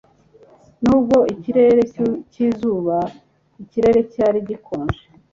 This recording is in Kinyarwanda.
Nubwo ikirere cyizuba ikirere cyari gikonje